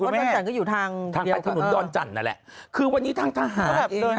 มีแต่ฝุ่นทางแผ่นถนนดอนจันทร์นั่นแหละคือวันนี้ทางทหารเองนะฮะ